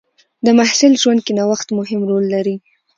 د محصل ژوند کې نوښت مهم رول لري.